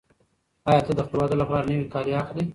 آیا ته د خپل واده لپاره نوي کالي اخلې؟